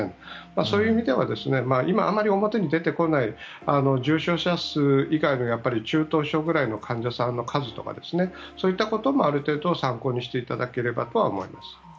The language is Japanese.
そういう意味ではあまり表に出てこない重症者以外の中等症ぐらいの患者さんの数とかそういったこともある程度参考にしていただければと思います。